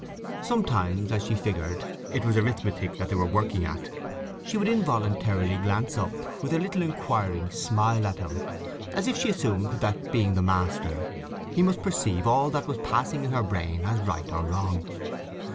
Sometimes as she figured—it was arithmetic that they were working at—she would involuntarily glance up with a little inquiring smile at him, as if she assumed that, being the master, he must perceive all that was passing in her brain, as right or wrong.